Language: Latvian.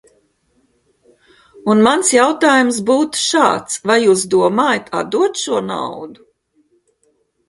Un mans jautājums būtu šāds: vai jūs domājat šo naudu atdot?